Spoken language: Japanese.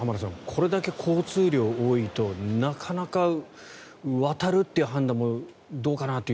これだけ交通量が多いとなかなか渡るという判断もどうかなと。